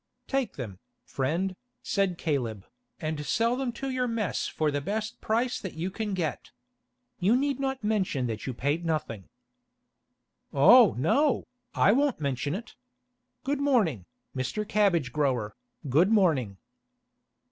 "Take them, friend," said Caleb, "and sell them to your mess for the best price that you can get. You need not mention that you paid nothing." "Oh! no, I won't mention it. Good morning, Mr. Cabbage grower, good morning."